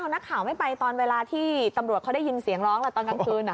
นักข่าวไม่ไปตอนเวลาที่ตำรวจเขาได้ยินเสียงร้องแหละตอนกลางคืน